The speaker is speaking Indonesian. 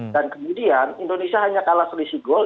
dan kemudian indonesia hanya kalah selisih gol